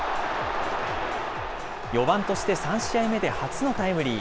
４番として３試合目で初のタイムリー。